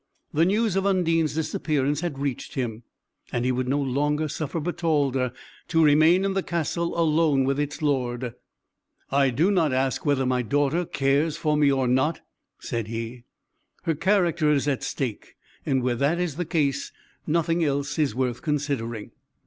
The news of Undine's disappearance had reached him, and he would no longer suffer Bertalda to remain in the castle alone with its lord. "I do not ask whether my daughter cares for me or not," said he; "her character is at stake, and where that is the case, nothing else is worth considering."